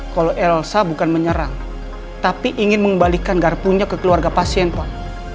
kalau elsa bukan menyerang tapi ingin mengembalikan garpunya ke keluarga pasien pak